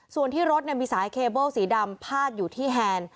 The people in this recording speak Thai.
ส่วนที่รถมีสายเคเบิ้ลสีดำพาดอยู่ที่แฮนด์